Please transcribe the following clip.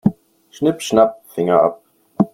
Schnipp-schnapp, Finger ab.